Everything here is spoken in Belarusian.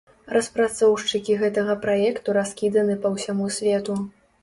Распрацоўшчыкі гэтага праекту раскіданы па ўсяму свету.